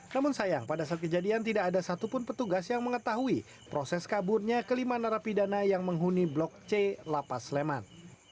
namun sayang pada saat kejadian tidak ada satupun petugas yang mengetahui proses kaburnya kelima narapidana yang menghuni blok c lapas sleman